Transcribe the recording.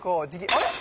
あれ？